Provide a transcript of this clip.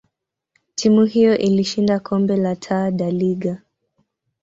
timu hiyo ilishinda kombe la Taa da Liga.